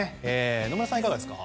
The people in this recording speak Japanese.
野村さん、いかがですか？